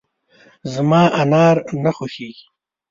زما انار نه خوښېږي .